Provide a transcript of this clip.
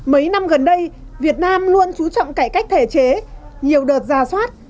mấy năm gần đây việt nam luôn chú trọng cải cách thể chế nhiều đợt giả soát